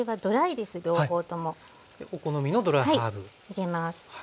入れます。